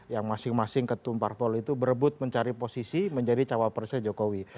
yang masing masing ketumpar pol itu berebut mencari posisi menjadi cawapersa jokowi